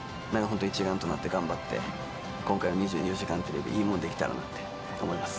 一丸となって頑張って今回の２４時間テレビいいものにできたらなと思います。